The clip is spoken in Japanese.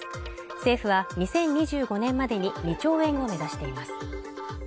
政府は２０２５年までに２兆円を目指しています